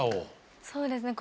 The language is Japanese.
そうですね。